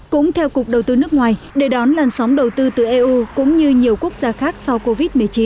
cũng theo cục đầu tư nước ngoài để đón làn sóng đầu tư từ eu cũng như nhiều quốc gia khác sau covid một mươi chín